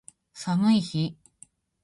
寒い日